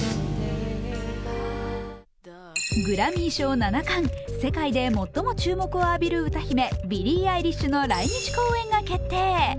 グラミー賞７冠、世界で最も注目を浴びる歌姫、ビリー・アイリッシュの来日公演が決定。